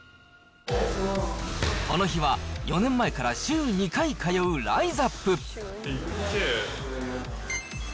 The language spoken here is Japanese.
この日は、４年前から週２回通うライザップ。